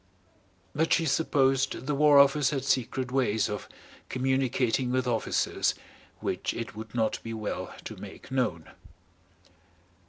But she supposed the War Office had secret ways of communicating with officers which it would not be well to make known.